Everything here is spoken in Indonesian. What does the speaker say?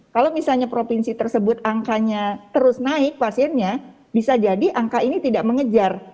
kalau misalnya provinsi tersebut angkanya terus naik pasiennya bisa jadi angka ini tidak mengejar